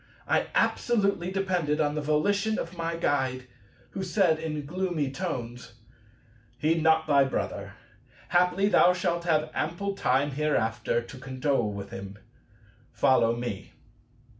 I absolutely depended on the volition of my Guide, who said in gloomy tones, "Heed not thy brother; haply thou shalt have ample time hereafter to condole with him. Follow me."